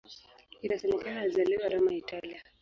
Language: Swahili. Inasemekana alizaliwa Roma, Italia.